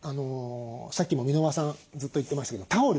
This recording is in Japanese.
さっきも箕輪さんずっと言ってましたけどタオル。